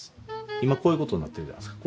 今こういうことになってるじゃないですか。